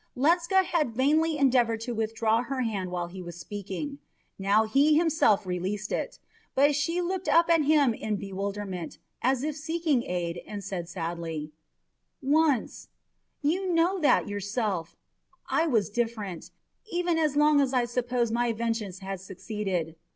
Ledscha had vainly endeavoured to withdraw her hand while he was speaking. Now he himself released it; but she looked up at him in bewilderment, as if seeking aid, and said sadly: "Once you know that yourself I was different even as long as I supposed my vengeance had succeeded.